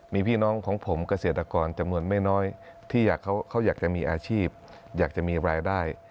มีพี่น้องของผมเกษตรกรจำนวนไม่น้อยที่เขาอยากจะมีอาชีพอยากจะมีรายได้